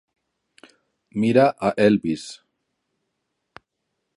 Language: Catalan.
Mira a Elvis.